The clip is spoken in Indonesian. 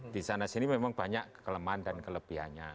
di sana sini memang banyak kelemahan dan kelebihannya